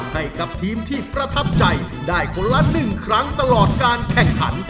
ให้กับทีมที่ประทับใจได้คนละ๑ครั้งตลอดการแข่งขัน